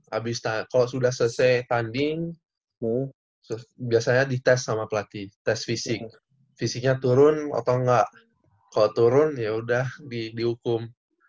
habis nah kalau sudah selesai tanding biasanya dites sama pelatih tes fisiknya turun atau enggak kalau turun ya udah dihukum